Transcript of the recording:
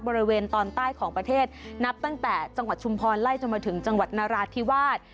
บริเวณตอนใต้ของประเทศนับตั้งแต่จังหวัดชุมพรไล่จนมาถึงจังหวัดนราธิวาส